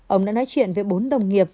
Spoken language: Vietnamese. ông đã nói chuyện với bốn đồng nghiệp